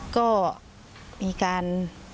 ก็มีการ